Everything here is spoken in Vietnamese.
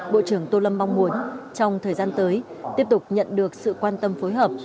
bộ trưởng tô lâm mong muốn trong thời gian tới tiếp tục nhận được sự quan tâm phối hợp